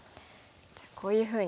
じゃあこういうふうに。